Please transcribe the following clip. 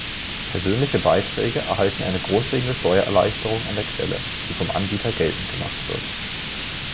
Persönliche Beiträge erhalten eine grundlegende Steuererleichterung an der Quelle, die vom Anbieter geltend gemacht wird.